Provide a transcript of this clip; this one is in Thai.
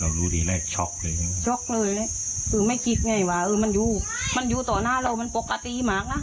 เรารู้ที่แรกช็อกเลยช็อกเลยเลยคือไม่คิดไงว่ามันอยู่ต่อหน้าเรามันปกติมากนะ